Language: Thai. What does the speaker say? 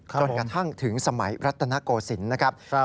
ก่อนกระทั่งถึงสมัยรัตนโกศิลป์